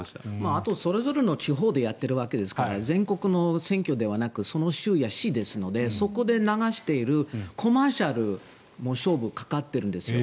あと、それぞれの地方でやっているわけですから全国の選挙ではなくその州や市ですのでそこで流しているコマーシャルも勝負、かかっているんですよ。